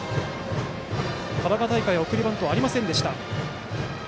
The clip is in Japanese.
神奈川大会は送りバントはありませんでした。